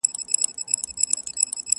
هم مُلا هم گاونډیانو ته منلی!.